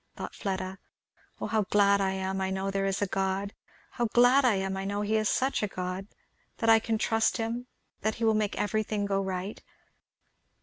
thought Fleda. "Oh how glad I am I know there is a God! How glad I am I know he is such a God! and that I can trust in him; and he will make everything go right.